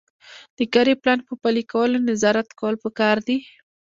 د کاري پلان په پلي کولو نظارت کول پکار دي.